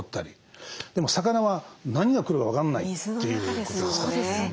でも魚は何が来るか分かんないということですから。